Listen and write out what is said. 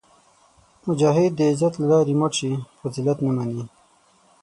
مجاهد د عزت له لارې مړ شي، خو ذلت نه مني.